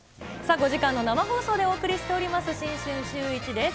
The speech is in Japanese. ５時間の生放送でお送りしております、新春シューイチです。